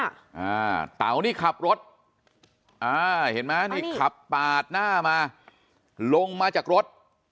อ่าเต๋านี่ขับรถอ่าเห็นไหมนี่ขับปาดหน้ามาลงมาจากรถ